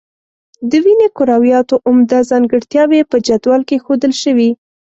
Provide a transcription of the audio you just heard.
د وینې کرویاتو عمده ځانګړتیاوې په جدول کې ښودل شوي.